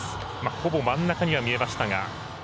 ほぼ真ん中には見えましたが。